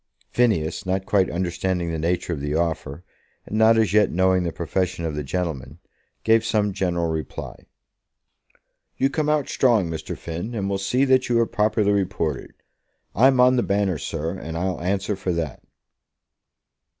Phineas, not quite understanding the nature of the offer, and not as yet knowing the profession of the gentleman, gave some general reply. "You come out strong, Mr. Finn, and we'll see that you are properly reported. I'm on the Banner, sir, and I'll answer for that."